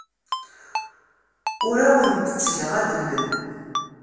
Ur awent-ttgeɣ adellel.